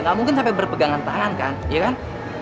gak mungkin sampai berpegangan tangan kan iya kan